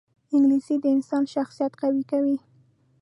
انګلیسي د انسان شخصیت قوي کوي